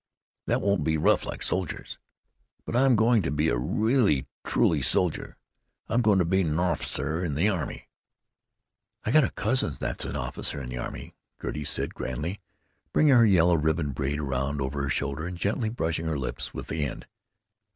That won't be rough like soldiers. But I'm going to be a really truly soldier. I'm going to be a norficer in the army." "I got a cousin that's an officer in the army," Gertie said grandly, bringing her yellow ribboned braid round over her shoulder and gently brushing her lips with the end.